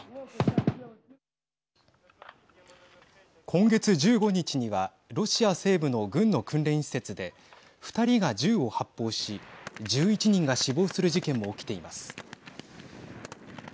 今月１５日にはロシア西部の軍の訓練施設で２人が銃を発砲し１１人が死亡する事件も起きています。